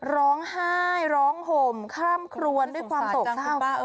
ร้องไห้ร้องห่มคร่ำครวนด้วยความตกใจคุณป้า